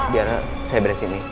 biar saya beres ini